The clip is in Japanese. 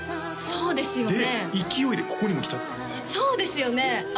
そうですよね勢いでここにも来ちゃったんですそうですよね